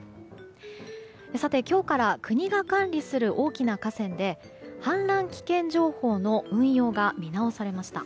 さて、今日から国が管理する大きな河川で氾濫危険情報の運用が見直されました。